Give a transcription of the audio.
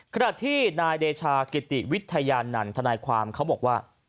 ขณะที่นายเดชากิติวิทยานันทนายความเขาบอกว่า